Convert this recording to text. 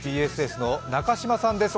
ＢＳＳの中島さんです。